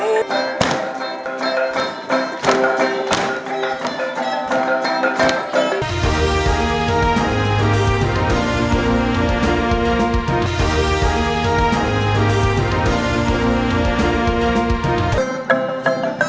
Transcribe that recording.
melihat keindahan di seberang tanah